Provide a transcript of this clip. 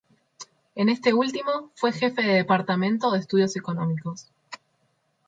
En este último fue jefe de Departamento de Estudios Económicos.